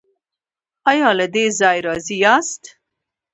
ایا له دې ځای راضي یاست؟